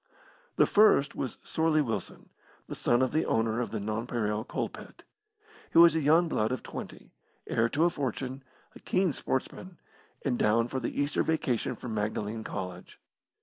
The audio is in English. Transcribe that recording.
The first was Sorley Wilson, the son of the owner of the Nonpareil Coalpit. He was a young blood of twenty, heir to a fortune, a keen sportsman, and down for the Easter Vacation from Magdalene College.